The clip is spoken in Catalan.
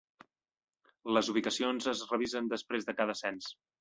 Les ubicacions es revisen després de cada cens.